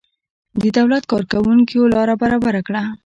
د دولت کارکوونکیو لاره برابره کړه.